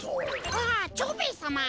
ああ蝶兵衛さま。